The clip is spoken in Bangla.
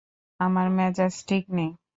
আমার মেজাজ ঠিক নেই।